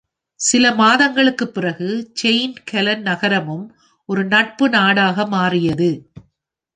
சில மாதங்களுக்குப் பிறகு, செயின்ட் கேலன் நகரமும் ஒரு நட்பு நாடாக மாறியது.